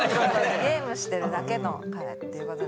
ゲームしてるだけの彼っていうことで。